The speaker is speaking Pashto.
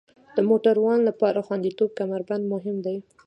د موټروان لپاره خوندیتوب کمربند مهم دی.